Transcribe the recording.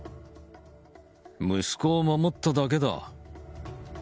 息子を守っただけだ。